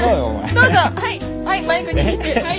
どうぞはい！